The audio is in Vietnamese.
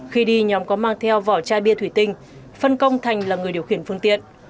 khi đi nhóm có mang theo vỏ chai bia thủy tinh phân công thành là người điều khiển phương tiện